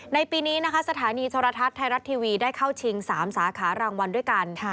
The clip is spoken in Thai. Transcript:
ปีนี้นะคะสถานีโทรทัศน์ไทยรัฐทีวีได้เข้าชิง๓สาขารางวัลด้วยกัน